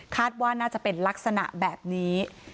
ว่าน่าจะเป็นลักษณะแบบนี้